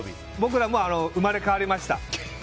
僕ら、生まれ変わりました。